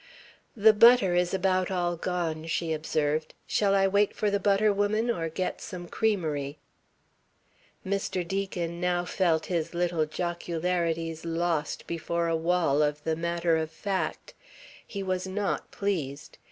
"The butter is about all gone," she observed. "Shall I wait for the butter woman or get some creamery?" Mr. Deacon now felt his little jocularities lost before a wall of the matter of fact. He was not pleased.